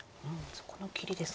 そこの切りですか。